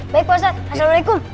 baik pak ustadz assalamualaikum